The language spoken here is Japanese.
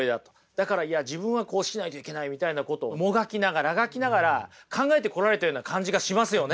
だからいや自分はこうしないといけないみたいなことをもがきながらあがきながら考えてこられたような感じがしますよね。